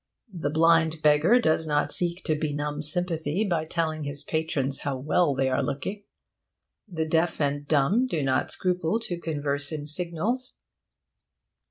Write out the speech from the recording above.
The blind beggar does not seek to benumb sympathy by telling his patrons how well they are looking. The deaf and dumb do not scruple to converse in signals.